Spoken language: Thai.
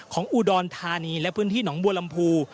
ของอุดรธานีและพื้นที่หนองบัวลำพู